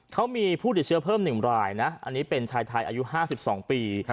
เขามีผู้ติดเชื้อเพิ่ม๑รายนะอันนี้เป็นชายไทยอายุ๕๒ปี